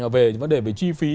về vấn đề về chi phí